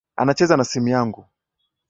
Anacheza na simu yangu